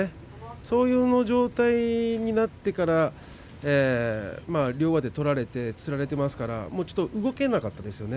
その状態になってから両上手を取られてつり上げられていますからちょっと動けなかったですね。